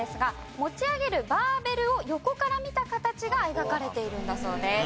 持ち上げるバーベルを横から見た形が描かれているんだそうです。